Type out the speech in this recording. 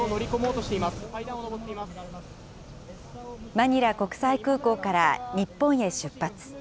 マニラ国際空港から日本へ出発。